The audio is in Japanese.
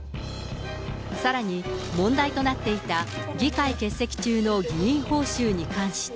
さらに、問題となっていた議会欠席中の議員報酬に関して。